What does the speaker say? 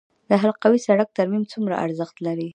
د حلقوي سړک ترمیم څومره لګښت لري؟